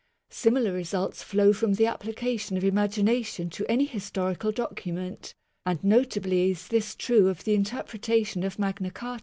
Similar results flow from the application of imagination to any historical document, and notably is this true of the interpre tation of Magna Carta.